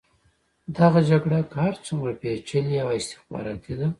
دغه جګړه که هر څومره پېچلې او استخباراتي ده.